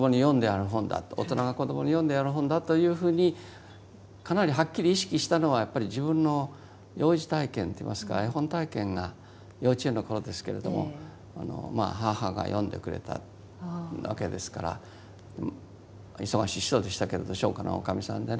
大人が子どもに読んでやる本だというふうにかなりはっきり意識したのはやっぱり自分の幼児体験っていいますか絵本体験が幼稚園の頃ですけれども母が読んでくれたわけですから忙しい人でしたけれど商家のおかみさんでね